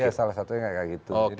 iya salah satu yang kayak gitu